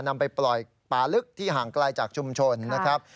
นำไปปล่อยป่าลึกที่ห่างไกลจากชุมชนนะครับ